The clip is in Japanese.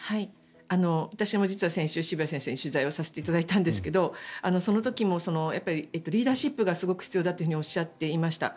私も実は先週、渋谷先生に取材させていただいたんですがその時もリーダーシップがすごく必要だとおっしゃっていました。